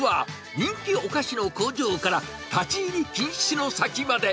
人気お菓子の工場から、立ち入り禁止の先まで。